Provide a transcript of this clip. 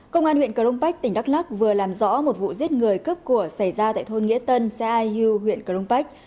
công an huyện cờ đông bách tỉnh đắk lắc vừa làm rõ một vụ giết người cướp của xảy ra tại thôn nghĩa tân xã ai hưu huyện cờ đông bách